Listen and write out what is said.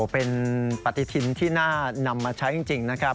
เป็นปฏิทินที่น่านำมาใช้จริงนะครับ